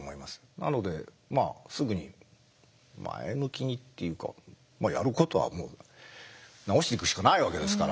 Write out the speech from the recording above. なのでまあすぐに前向きにっていうかやることは治していくしかないわけですから。